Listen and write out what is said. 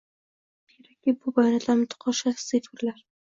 Shuni ham ta'kidlash kerakki, bu bayonotlar mutlaqo shaxsiy fikrlardir